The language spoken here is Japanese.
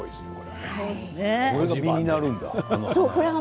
これが実になるんだ。